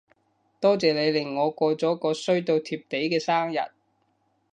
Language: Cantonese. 多謝你令我過咗個衰到貼地嘅生日